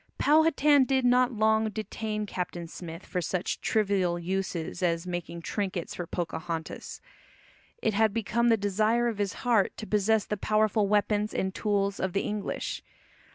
Powhatan did not long detain Captain Smith for such trivial uses as making trinkets for Pocahontas. It had become the desire of his heart to possess the powerful weapons and tools of the English.